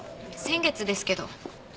先月ですけど。